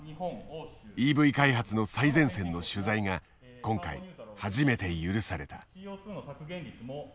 ＥＶ開発の最前線の取材が今回初めて許された。